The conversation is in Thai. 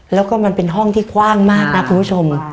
แล้วก็มันเป็นห้องที่คว่างมากนะคุณผู้ชม